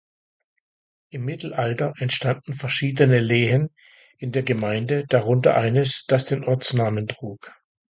Im Mittelalter entstanden verschiedene Lehen in der Gemeinde, darunter eines, das den Ortsnamen trug.